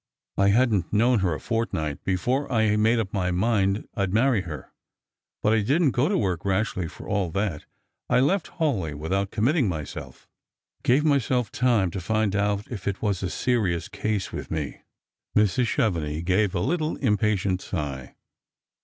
I hadn't known her a fortnight before I made up my mind I'd marry her. But I didn't go to work rashly for all that ; I left Hawleigh without committing myself; gave myself time to find out if it was a iJerious case with me." Mrs. Chevenix gave a little impatient sigh.